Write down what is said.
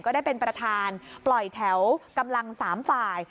ได้เป็นประธานปล่อยแถวกำลัง๓ฝ่าย